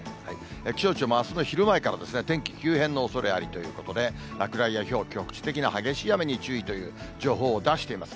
気象庁もあすの昼前から、天気急変のおそれありということで、落雷やひょう、局地的な激しい雨に注意という情報を出しています。